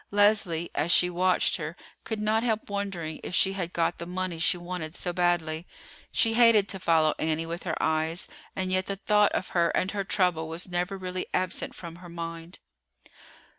Leslie, as she watched her, could not help wondering if she had got the money she wanted so badly. She hated to follow Annie with her eyes, and yet the thought of her and her trouble was never really absent from her mind.